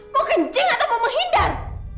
mau kencing atau mau menghindar